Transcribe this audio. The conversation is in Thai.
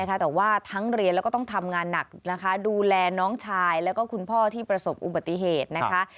แต่ว่าทั้งเรียนแล้วก็ต้องทำงานหนักนะคะดูแลน้องชายแล้วก็คุณพ่อที่ประสบอุบัติเหตุนะคะ